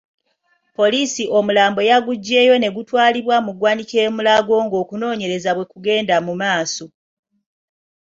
Poliisi omulambo yaguggyeyo ne gutwalibwa mu ggwanika e Mulago ng'okunoonyereza bwe kugenda mu maaso.